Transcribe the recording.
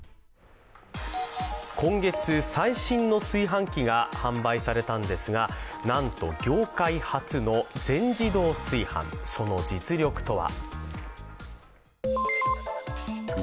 今月、最新の炊飯器が販売されたんですがなんと業界初の全自動炊飯、その実力とは。